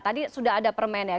tadi sudah ada permen ya